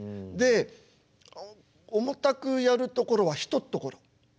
で重たくやるところはひとっところ。